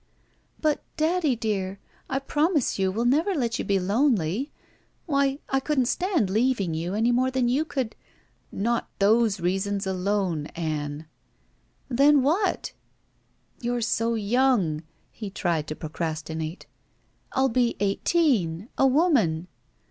"But, daddy dear, I promise you we'll never let you be lonely. Why, I couldn't stand leaving you any more than you could —" "Not those reasons alone, Ann." "Then what?" "You're so yoimg," he tried to procrastinate. "I'll be eighteen. A woman."